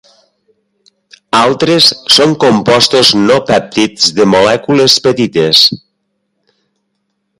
Altres són compostos no pèptids de molècules petites.